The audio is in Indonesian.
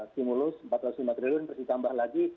simulus rp empat ratus lima triliun harus ditambah lagi